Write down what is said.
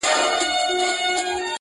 د دې ژوندیو له کتاره به وتلی یمه-